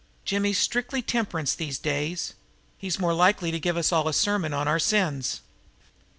Jimmy's strictly temperance these days. He's more likely to give us all a sermon on our sins."